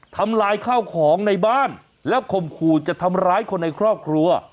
ทำลายข้าวของในบ้านแล้วข่มขู่จะทำร้ายคนในครอบครัว